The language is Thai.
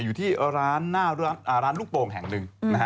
อยู่ที่ร้านลูกโป่งแห่งหนึ่ง